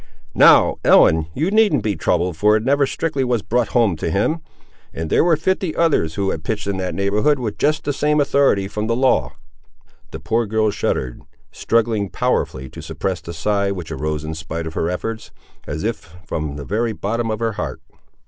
Now, Ellen, you needn't be troubled for it never strictly was brought home to him; and there were fifty others who had pitched in that neighbourhood with just the same authority from the law." The poor girl shuddered, struggling powerfully to suppress the sigh which arose in spite of her efforts, as if from the very bottom of her heart.